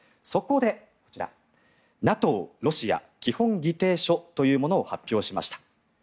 そこで、こちらＮＡＴＯ・ロシア基本議定書というものを発表しました。